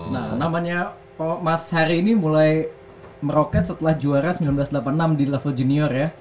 nah namanya mas hari ini mulai meroket setelah juara seribu sembilan ratus delapan puluh enam di level junior ya